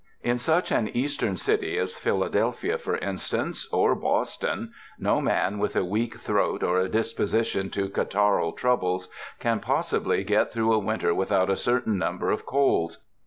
In such an Eastern city as Philadelphia, for in stance, or Boston, no man with a weak throat or a disposition to catarrhal troubles, can possibly get through a winter without a certain number of colds.